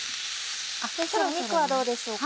先生肉はどうでしょうか？